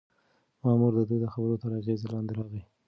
مامور د ده د خبرو تر اغېز لاندې راغی.